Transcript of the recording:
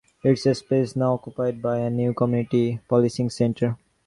Its space is now occupied by a new community policing center.